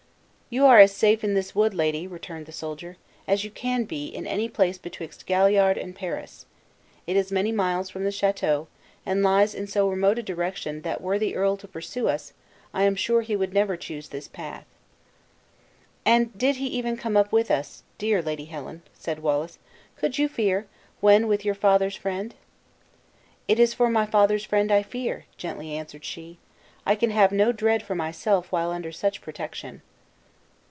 "You are as safe in this wood, lady," returned the soldier, "as you can be in any place betwixt Galliard and Paris. It is many miles from the chateau, and lies in so remote a direction, that were the earl to pursue us, I am sure he would never choose this path." "And did he even come up with us, dear Lady Helen," said Wallace, "could you fear, when with your father's friend?" "It is for my father's friend I fear," gently answered she; "I can have no dread for myself while under such protection."